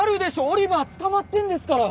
オリバー捕まってるんですから！